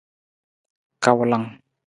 Kawulang.